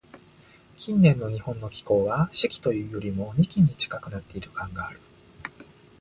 近年の日本の気候は、「四季」というよりも、「二季」に近くなっている感がある。